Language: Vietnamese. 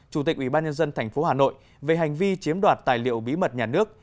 chủ tịch ủy ban nhân dân tp hà nội về hành vi chiếm đoạt tài liệu bí mật nhà nước